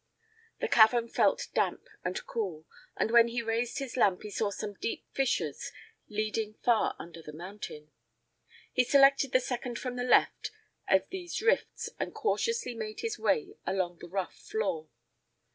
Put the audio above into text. The cavern felt damp and cool, and when he raised his lamp he saw some deep fissures leading far under the mountain. He selected the second from the left of these rifts and cautiously made his way along the rough floor.